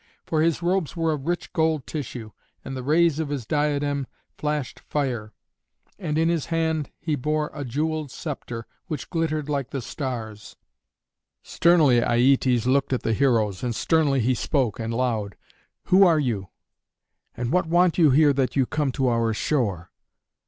For his robes were of rich gold tissue, and the rays of his diadem flashed fire. And in his hand he bore a jeweled scepter, which glittered like the stars. Sternly Aietes looked at the heroes, and sternly he spoke and loud, "Who are you, and what want you here that you come to our shore?